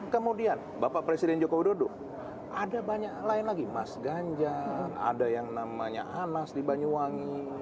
kemudian bapak presiden joko widodo ada banyak lain lagi mas ganjar ada yang namanya anas di banyuwangi